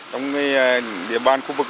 trong địa bàn khu vực này